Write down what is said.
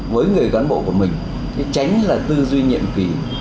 với người cán bộ của mình tránh là tư duy nhiệm kỳ